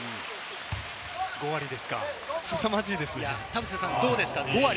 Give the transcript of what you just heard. ５割ですか、すさまじいですね。